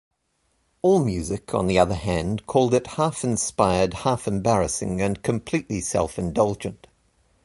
AllMusic, on the other hand, called it half inspired, half-embarrassing and completely self-indulgent.